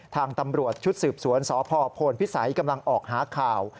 ทางตำรวจชุดสืบสวนสพโพนพิสัยกำลังออกหาข่าว